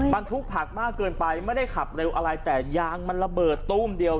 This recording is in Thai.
บรรทุกผักมากเกินไปไม่ได้ขับเร็วอะไรแต่ยางมันระเบิดตู้มเดียว